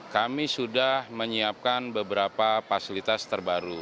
kami sudah menyiapkan beberapa fasilitas terbaru